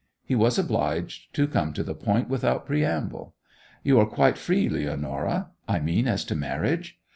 He was obliged to come to the point without preamble. 'You are quite free, Leonora—I mean as to marriage?